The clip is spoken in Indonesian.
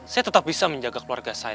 saya tetap bisa menjaga keluarga saya